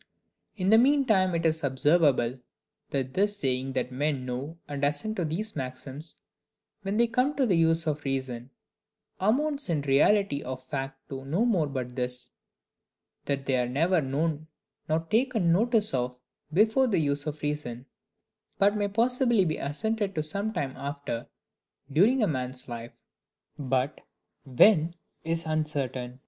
In the mean time it is observable, that this saying that men know and assent to these maxims "when they come to the use of reason," amounts in reality of fact to no more but this,—that they are never known nor taken notice of before the use of reason, but may possibly be assented to some time after, during a man's life; but when is uncertain.